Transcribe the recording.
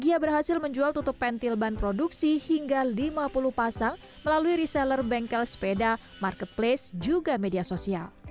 gia berhasil menjual tutup pentil ban produksi hingga lima puluh pasang melalui reseller bengkel sepeda marketplace juga media sosial